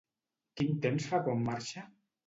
Quin temps fa quan marxa?